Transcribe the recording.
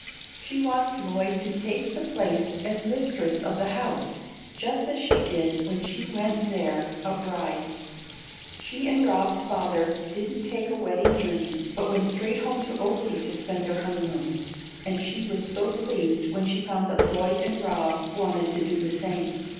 She wants Lloyd to take the place as mistress of the house just as she did when she went there a bride. She and Rob's father didn't take a wedding journey, but went straight home to Oaklea to spend their honeymoon, and she was so pleased when she found that Lloyd and Rob wanted to do the same.